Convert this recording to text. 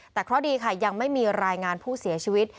แต่เคราะห์ดีค่ะยังไม่มีรายงานผู้เสียชีวิต